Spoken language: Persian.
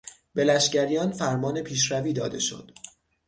به لشگریان فرمان پیشروی داده شد.